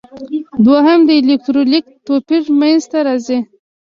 دوهم د الکترولیتیک توپیر منځ ته راځي.